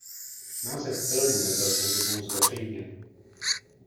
Název filmu nebyl tou dobou zveřejněn.